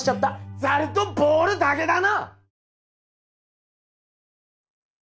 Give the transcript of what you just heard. ザルとボウルだけだな！